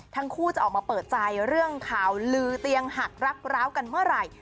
ทั้งคู่จะออกมาเปิดใจเรื่องข่าวลือเตียงหักรักร้าวกันเมื่อไหร่